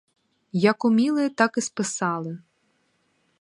Як уміли, так і списали.